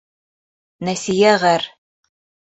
Нәсиә ғәр.